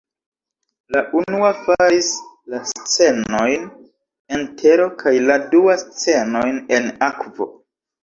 La unua faris la scenojn en tero kaj la dua la scenojn en akvo.